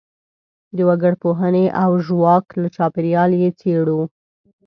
د وګړپوهنې او ژواک له چاپیریال یې څېړو.